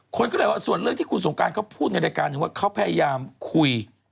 คนก็เลยว่าส่วนเรื่องที่คุณสงการเขาพูดในรายการหนึ่งว่าเขาพยายามคุย